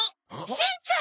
しんちゃん！